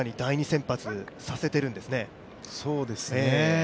先発させてるんですね。